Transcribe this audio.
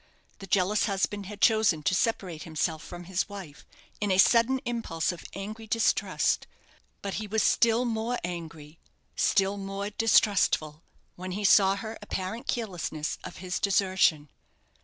The jealous husband had chosen to separate himself from his wife in a sudden impulse of angry distrust; but he was still more angry, still more distrustful, when he saw her apparent carelessness of his desertion.